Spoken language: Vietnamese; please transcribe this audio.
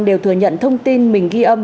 đều thừa nhận thông tin mình ghi âm